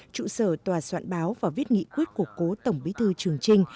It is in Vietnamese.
trụ sở tòa soạn báo và viết nghị quyết của cố tổng bí thư trường trinh